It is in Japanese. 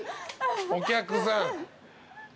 お客さん。